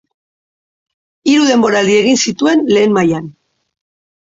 Hiru denboraldi egin zituen lehen mailan.